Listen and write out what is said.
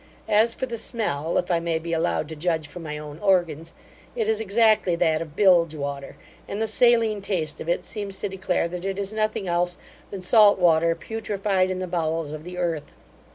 As for the smell, if I may be allowed to judge from my own organs, it is exactly that of bilge water; and the saline taste of it seems to declare that it is nothing else than salt water putrified in the bowels of the earth.